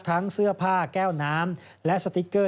ทั้งเสื้อผ้าแก้วน้ำและสติ๊กเกอร์